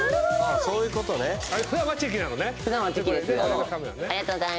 そういうことねああ